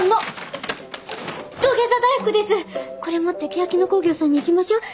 これ持ってけやき野興業さんに行きましょう。